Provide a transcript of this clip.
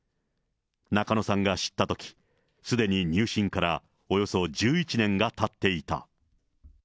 中野さんが知ったとき、すでに入信からおよそ１１年がたっていた。